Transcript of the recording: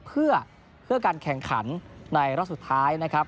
เพื่อการแข่งขันในรอบสุดท้ายนะครับ